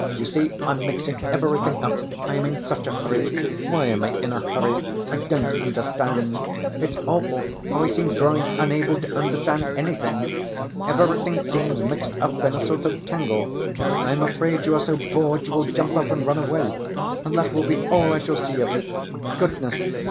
You see, I'm mixing everything up. I am in such a hurry. Why am I in a hurry? I don't understand. It's awful how I seem growing unable to understand anything. Everything seems mixed up in a sort of tangle. I am afraid you are so bored you will jump up and run away, and that will be all I shall see of you. Goodness!